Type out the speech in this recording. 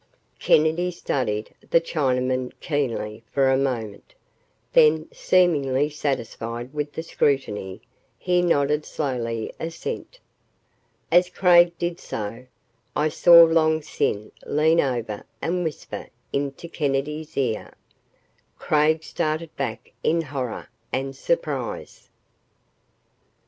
Kennedy studied the Chinaman keenly for a moment. Then, seemingly satisfied with the scrutiny, he nodded slowly assent. As Craig did so, I saw Long Sin lean over and whisper into Kennedy's ear. Craig started back in horror and surprise.